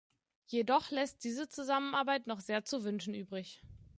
Jedoch lässt diese Zusammenarbeit noch sehr zu wünschen übrig.